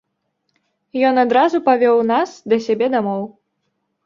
Ён адразу павёў нас да сябе дамоў.